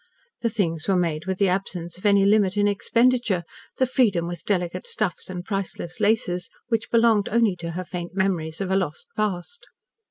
The things were made with the absence of any limit in expenditure, the freedom with delicate stuffs and priceless laces which belonged only to her faint memories of a lost past.